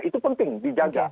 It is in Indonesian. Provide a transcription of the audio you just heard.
itu penting dijaga